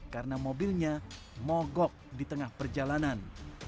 karena mobilnya mogok di tengah perjalanan